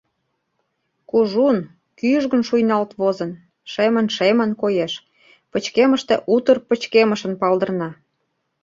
Кужун, кӱжгын шуйналт возын, шемын-шемын коеш, пычкемыште утыр пычкемышын палдырна.